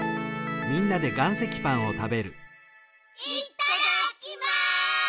いっただきます！